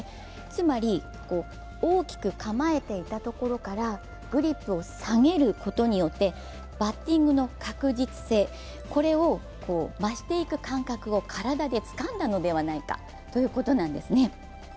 つまり、大きく構えていたところから、グリップを下げることによってバッティングの確実性を増していく感覚を体でつかんだのではないかということなんですね。